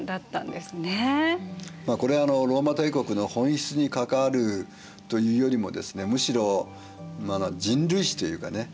まあこれはローマ帝国の本質に関わるというよりもですねむしろ人類史というかね。